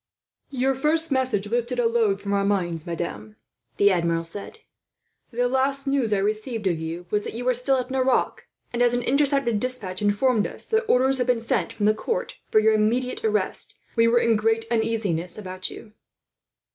"Your first message lifted a load from our minds, madame," the Admiral said. "The last news I received of you was that you were still at Nerac, and as an intercepted despatch informed us that orders had been sent from the court for your immediate arrest, we were in great uneasiness about you."